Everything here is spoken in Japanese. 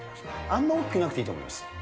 あんまり大きくなくていいと思います。